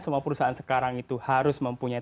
semua perusahaan sekarang itu harus mempunyai